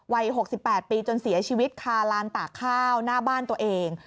วัย๖๘ปีจนเสียชีวิตคาลานตากข้าวหน้าบ้านตัวเอง